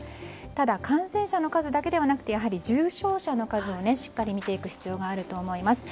ただ感染者の数だけではなくてやはり重症者の数をしっかり見ていく必要があると思います。